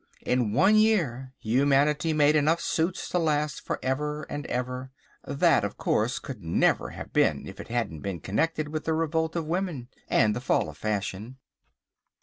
In one year humanity made enough suits to last for ever and ever. That, of course, could never have been if it hadn't been connected with the revolt of women and the fall of Fashion."